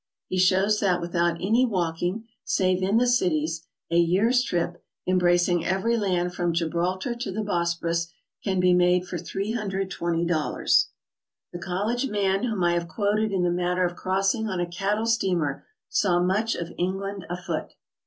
He shows that without any walking, save in the cities, a year's trip, embracing every land from Gibraltar to the Bosporus, can be made for $320. The college man whom I have quoted in the matter of crossing on a cattle steamer, saw much of England a foot.